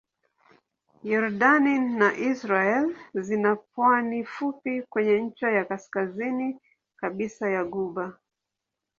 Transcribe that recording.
Yordani na Israel zina pwani fupi kwenye ncha ya kaskazini kabisa ya ghuba.